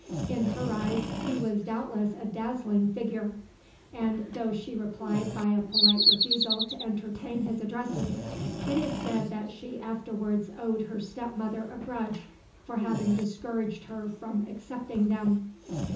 In her eyes he was doubtless a dazzling figure; and though she replied by a polite refusal to entertain his addresses, it is said that she afterwards owed her step mother a grudge for having discouraged her from accepting them.